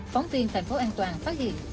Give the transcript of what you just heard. phóng viên thành phố an toàn phát hiện